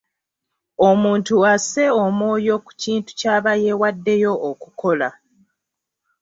Omuntu asse omwoyo ku kintu ky'aba yeewaddeyo okukola.